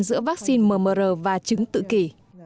vì vaccine mmr và chứng tự kỷ